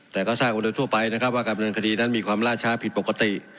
แต่ก็ทราบคนเดียวทั่วไปนะครับว่าการดำเนินคดีนั้นมีความล่าช้าผิดปกติ